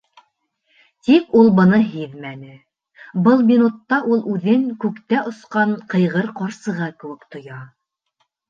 Тик ул быны һиҙмәне, был минутта ул үҙен күктә осҡан ҡыйғыр ҡарсыға кеүек тоя.